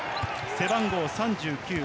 背番号３９。